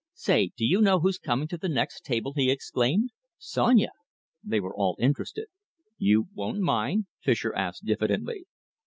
"Say, do you know who's coming to the next table?" he exclaimed. "Sonia!" They were all interested. "You won't mind?" Fischer asked diffidently.